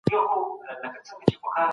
هغه څوک چي کور پاکوي روغ اوسي.